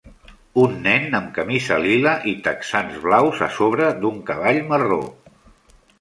Un nen amb camisa lila i texans blaus a sobre d'un cavall marró